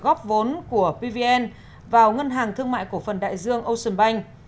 góp vốn của pvn vào ngân hàng thương mại cổ phần đại dương ocean bank